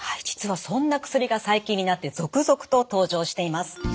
実はそんな薬が最近になって続々と登場しています。